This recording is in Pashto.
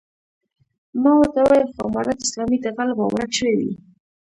ما ورته وويل خو امارت اسلامي دی غله به ورک شوي وي.